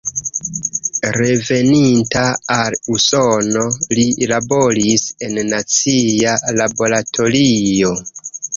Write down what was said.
Reveninta al Usono li laboris en nacia laboratorio.